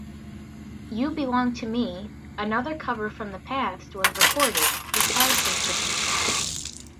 "You Belong to Me", another cover from the past, was recorded, with Harrison producing.